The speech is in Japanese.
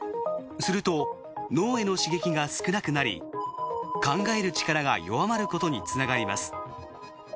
すると脳への刺激が少なくなり考える力が弱まることにつながります。